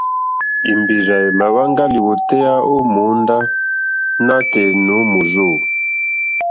Èmbèrzà èmà wáŋgá lìwòtéyá ó mòóndá nǎtɛ̀ɛ̀ nǒ mòrzô.